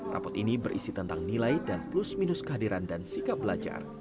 rapot ini berisi tentang nilai dan plus minus kehadiran dan sikap belajar